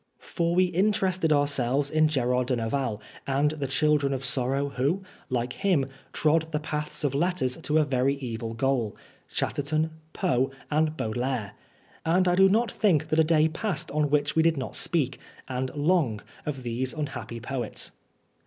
For we interested ourselves in Gerard de Nerval, and the children of sorrow who, like him, trod the path of letters to a very evil 43 Oscar Wilde goal Chatterton, Poe, and Baudelaire ; and I do not think that a day passed on which we did not speak, and long, of these un happy poets.